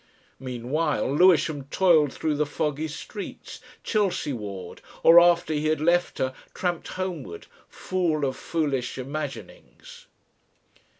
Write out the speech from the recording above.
Meanwhile Lewisham toiled through the foggy streets, Chelsea ward, or, after he had left her, tramped homeward full of foolish imaginings.